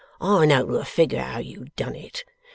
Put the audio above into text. I know to a figure how you done it.